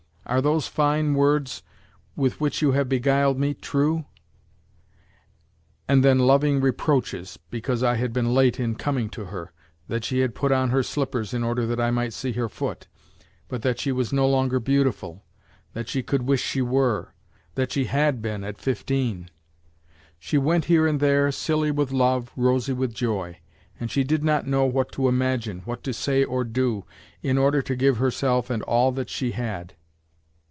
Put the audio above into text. Are those fine words with which you have beguiled me, true?" And then, loving reproaches because I had been late in coming to her; that she had put on her slippers in order that I might see her foot but that she was no longer beautiful; that she could wish she were; that she was, at fifteen. She went here and there, silly with love, crimson with joy; and she did not know what to imagine, what to say or do, in order to give herself and all that she had.